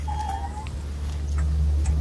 که تاسو تازه سنکس وکاروئ، بوی یې ښه وي.